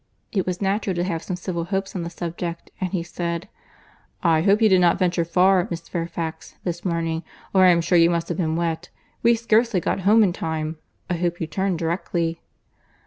It was natural to have some civil hopes on the subject, and he said, "I hope you did not venture far, Miss Fairfax, this morning, or I am sure you must have been wet.—We scarcely got home in time. I hope you turned directly."